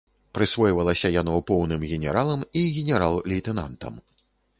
Прысвойвалася яно поўным генералам і генерал-лейтэнантам.